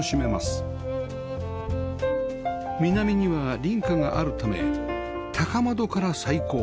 南には隣家があるため高窓から採光